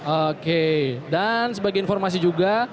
oke dan sebagai informasi juga